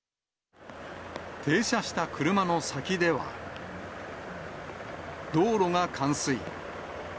停車した車の先では、道路が冠水。